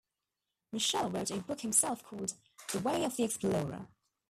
Mitchell wrote a book himself, called "The Way of the Explorer".